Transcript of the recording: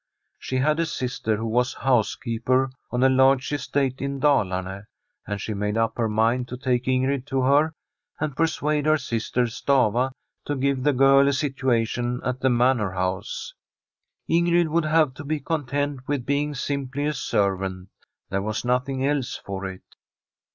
She had a sister who was I63] Frm a SWEDISH HOMESTEAD housekeeper on a large estate in Dalarne, and she made up her mind to take Ingrid to her, and per suade her sister, Stafva, to give the girl a situation at the Manor House. Ingrid would have to be content with being simply a servant. There was nothing else for it.